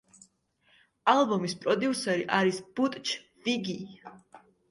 ალბომის პროდიუსერი არის ბუტჩ ვიგი.